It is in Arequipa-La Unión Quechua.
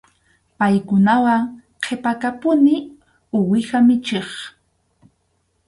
Paykunawan qhipakapuni uwiha michiq.